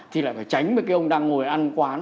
thì lại phải tránh với cái ông đang ngồi ăn quán